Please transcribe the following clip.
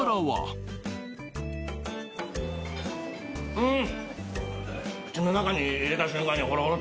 うん！